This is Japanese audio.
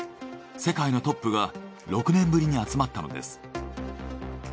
世界のトップが６年ぶりに集まったのです。